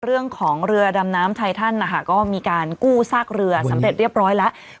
เรือดำน้ำไททันนะคะก็มีการกู้ซากเรือสำเร็จเรียบร้อยแล้ว